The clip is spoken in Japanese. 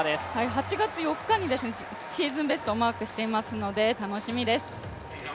８月４日にシーズンベストをマークしていますので、楽しみです。